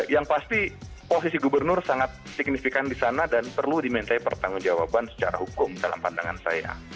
yang pasti posisi gubernur sangat signifikan di sana dan perlu diminta pertanggung jawaban secara hukum dalam pandangan saya